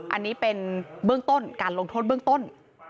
อันนี้เป็นการลงโทษเบื้องต้น